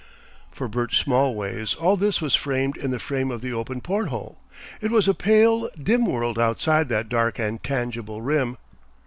For Bert Smallways all this was framed in the frame of the open porthole. It was a pale, dim world outside that dark and tangible rim.